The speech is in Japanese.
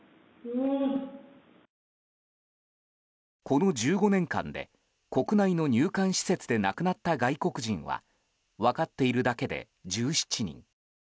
この１５年間で国内の入管施設で亡くなった外国人は分かっているだけで１７人。